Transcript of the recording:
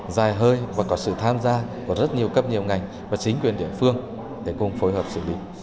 dài hơi và có sự tham gia của rất nhiều cấp nhiều ngành và chính quyền địa phương để cùng phối hợp xử lý